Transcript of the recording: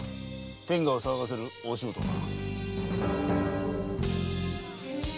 天下を騒がせる大仕事をな。